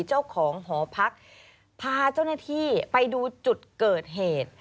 เจ้าของหอพักพาเจ้าหน้าที่ไปดูจุดเกิดเหตุ